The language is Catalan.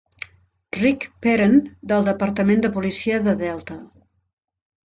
Rick Parent del Departament de policia de Delta.